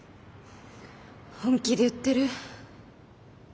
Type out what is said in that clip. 本気で言ってる？